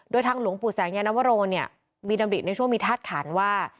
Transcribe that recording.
ด้วยทั้งหลวงปู่แสงยานวโรมีดำริตในช่วงมีธาตุฐานว่า